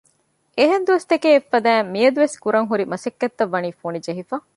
އެހެން ދުވަސް ތަކޭ އެއްފަދައިން މިއަދުވެސް ކުރަންހުރި މަސައްކަތްތައް ވަނީ ފުނި ޖެހިފަ